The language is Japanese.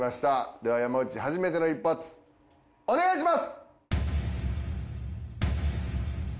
では山内初めての一発お願いします！